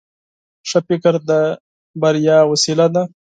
ښه فکر د کامیابۍ وسیله ده.